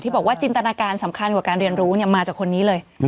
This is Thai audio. บอกว่าจินตนาการสำคัญกว่าการเรียนรู้มาจากคนนี้เลย